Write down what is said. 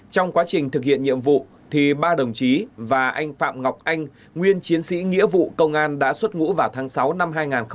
trong quá trình thực hiện nhiệm vụ ba đồng chí và anh phạm ngọc anh nguyên chiến sĩ nghĩa vụ công an đã xuất ngũ vào tháng sáu năm hai nghìn hai mươi ba